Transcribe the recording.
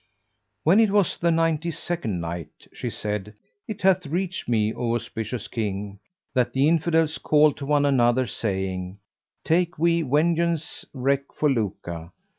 When it was the Ninety second Night, She said, It hath reached me, O auspicious King, that the Infidels called to one another, saying, "Take we vengeance wreak for Luka!"